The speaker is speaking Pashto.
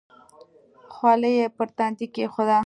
خولۍ یې پر تندي کېښوده.